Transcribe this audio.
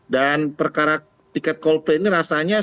dan perkara tiket kolpe ini rasanya